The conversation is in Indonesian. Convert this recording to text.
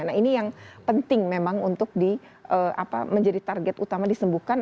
nah ini yang penting memang untuk menjadi target utama disembuhkan